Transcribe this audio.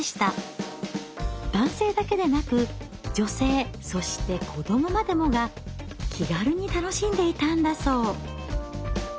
男性だけでなく女性そして子どもまでもが気軽に楽しんでいたんだそう。